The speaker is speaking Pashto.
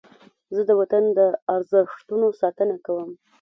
زه د وطن د ارزښتونو ساتنه کوم.